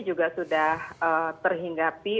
juga sudah terhinggapi